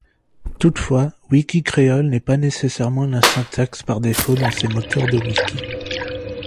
Toutefois, Wikicréole n’est pas nécessairement la syntaxe par défaut dans ces moteurs de wiki.